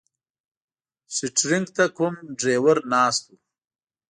شټرنګ ته کوم ډریور ناست و.